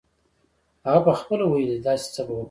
هغه پخپله ویلې دي داسې څه به وکړم.